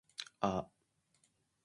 さすがに寒すぎる